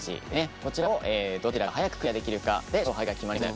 こちらを、どちらを早くクリアできるかで勝敗が決まります。